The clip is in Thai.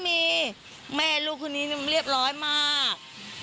มีแม่ลูกคนนี้เรียบร้อยมาก